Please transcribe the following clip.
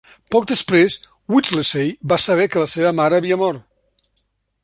Poc després, Whittlesey va saber que la seva mare havia mort.